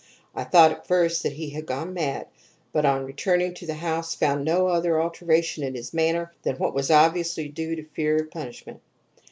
I thought at first that he had gone mad, but on returning to the house found no other alteration in his manner than what was obviously due to fear of punishment.